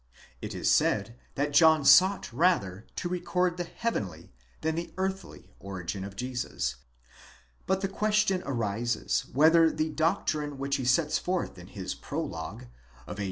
It is said that John sought rather to record the heavenly than the earthly origin of Jesus; but the question arises, whether the doctrine which he sets forth in his prologue, of a divine 5.